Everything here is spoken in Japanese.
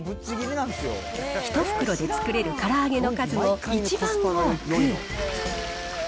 １袋で作れるから揚げの数も一番多く。